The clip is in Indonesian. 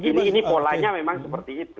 ini polanya memang seperti itu